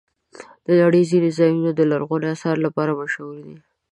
د نړۍ ځینې ځایونه د لرغونو آثارو لپاره مشهور دي.